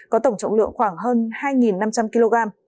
có tổng trọng lượng khoảng hơn hai năm trăm linh kg